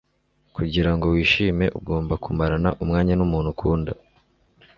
kugira ngo wishime, ugomba kumarana umwanya numuntu ukunda